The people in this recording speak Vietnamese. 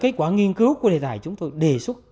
kết quả nghiên cứu của đề tài chúng tôi đề xuất